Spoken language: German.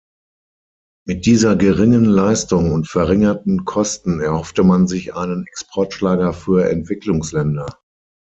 Mit dieser geringen Leistung und verringerten Kosten erhoffte man sich einen Exportschlager für Entwicklungsländer.